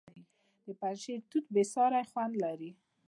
د پنجشیر توت بې ساري خوند لري.